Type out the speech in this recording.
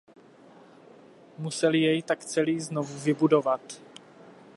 Museli jej tak celý znovu vybudovat.